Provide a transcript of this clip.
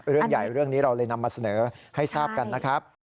เรื่องใหญ่เรื่องนี้เราเลยนำมาเสนอให้ทราบกันนะครับ